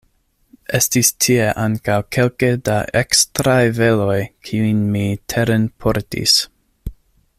Estis tie ankaŭ kelke da ekstraj veloj, kiujn mi terenportis.